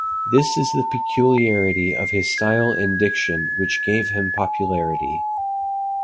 This is the peculiarity of his style and diction which gave him popularity.